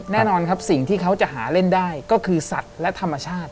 แน่นอนครับสิ่งที่เขาจะหาเล่นได้ก็คือสัตว์และธรรมชาติ